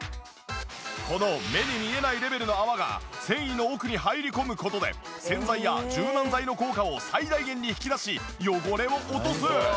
この目に見えないレベルの泡が繊維の奥に入り込む事で洗剤や柔軟剤の効果を最大限に引き出し汚れを落とす！